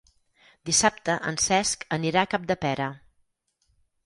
Dissabte en Cesc anirà a Capdepera.